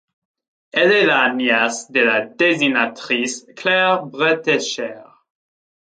Elle est la nièce de la dessinatrice Claire Bretécher.